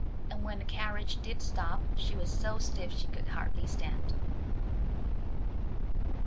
And when the carriage did stop she was so stiff she could hardly stand.